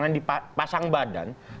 yang dipasang badan